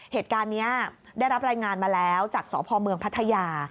เหตุการณ์นี้ได้รับรายงานมาแล้วจากสพเมืองพัทยา